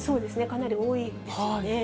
かなり多いですよね。